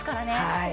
はい。